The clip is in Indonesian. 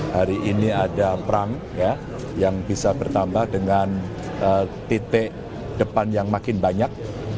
hari ini ada perang yang bisa bertambah dengan titik depan yang makin banyak